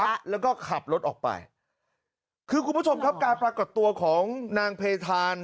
ครับแล้วก็ขับรถออกไปคือคุณผู้ชมครับการปรากฏตัวของนางเพธาน